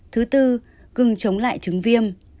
thứ tư gừng chống lại trứng viêm